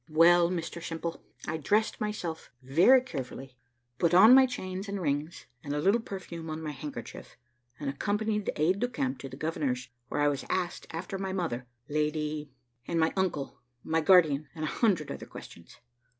"Well, Mr Simple, I dressed myself very carefully, put on my chains and rings, and a little perfume on my handkerchief, and accompanied the aide de camp to the governor's, where I was asked after my mother, Lady , and my uncle, my guardian, and a hundred other questions.